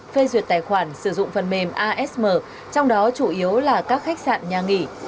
phê duyệt tài khoản sử dụng phần mềm asm trong đó chủ yếu là các khách sạn nhà nghỉ